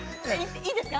いいですか？